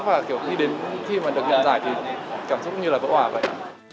và khi đến khi mà được nhận giải thì cảm xúc cũng như là vỡ hỏa vậy